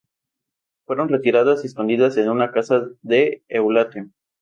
Fueron retiradas y escondidas en una casa de Eulate.